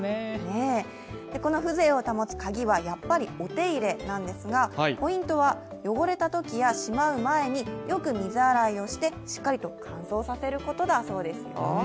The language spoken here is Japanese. この風情を保つカギはやっぱりお手入れなんですが、ポイントは汚れたときやしまう前によく水洗いをしてしっかりと乾燥させることだそうですよ。